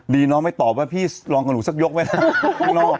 ดีน้องไปตอบว่าพี่ลองกับหนูสักยกไว้ช่อนออก